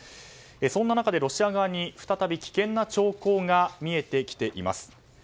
そんな中でロシア側に再び危険な兆候が見えてきています。